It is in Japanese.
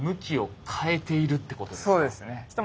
そうですね。おっ。